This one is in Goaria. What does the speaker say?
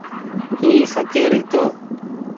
اي ڦڪير هيتو ۔